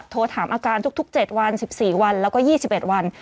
โทรถามอาการทุก๗วัน๑๔วันแล้วก็๒๑วัน